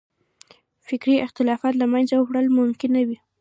فکري اختلافات له منځه وړل ممکن نه وي.